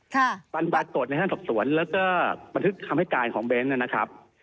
บรรปรากฏในท่านสอบสวนแล้วก็บันทึกคำให้การของเบ้นนะครับ